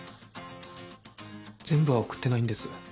全部は送ってないんです